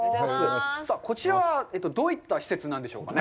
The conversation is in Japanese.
さあ、こちらはどういった施設なんでしょうか？